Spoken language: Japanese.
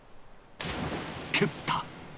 蹴った！